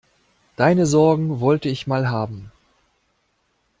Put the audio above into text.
Deine Sorgen wollte ich mal haben.